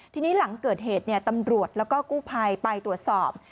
ทีนี้หลังเกิดเหตุตำรวจแล้วก็กู้ภัยไปตรวจสอบ